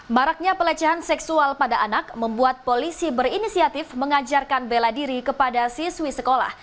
maraknya pelecehan seksual pada anak membuat polisi berinisiatif mengajarkan bela diri kepada siswi sekolah